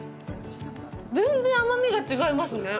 全然甘みが違いますね。